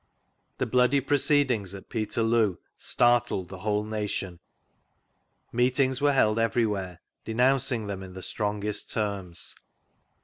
The bloody proceedings at Peterloo startled the whole nation. Meetings were held everywhere, denouncing them in the strongest terms.